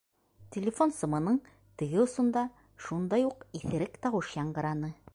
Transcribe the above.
Телефон сымының теге осонда шундай уҡ иҫерек тауыш яңғыраны: